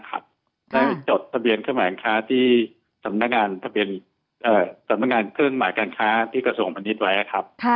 จดทะเบียนเครื่องหมายการค้าที่สำนักงานสำนักงานเครื่องหมายการค้าที่กระทรวงพาณิชย์ไว้ครับ